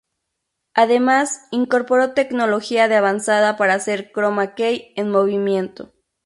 Además, incorporó tecnología de avanzada para hacer "croma key" en movimiento.